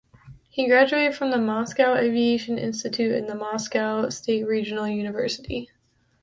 He graduated from the Moscow Aviation Institute and the Moscow State Regional University.